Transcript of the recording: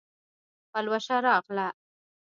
پلوشه راغله